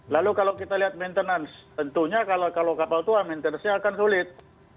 lalu kalau kita lihat maintenance tentunya kalau kapal tua maintenance nya akan sulit